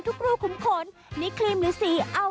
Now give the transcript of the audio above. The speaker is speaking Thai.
เท่าจริงอาว